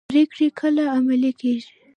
پریکړې کله عملي کیږي؟